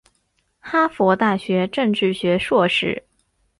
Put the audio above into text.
哈佛大学政治学硕士。